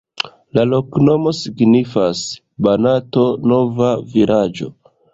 La loknomo signifas: Banato-nova-vilaĝo.